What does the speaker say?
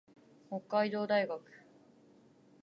北海道大学